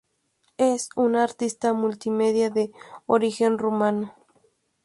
Es una artista multimedia de origen rumano.